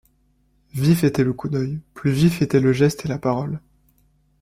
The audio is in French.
Vif était le coup d’œil, plus vifs étaient le geste et la parole.